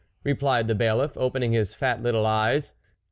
" replied the Bailiff opening his fat little eyes.